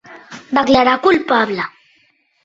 Declarat culpable.